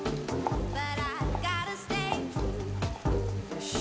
よし。